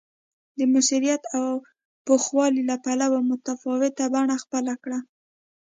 د موثریت او پوخوالي له پلوه متفاوته بڼه خپله کړه